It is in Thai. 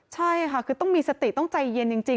ใช่ค่ะคือต้องมีสติต้องใจเย็นจริง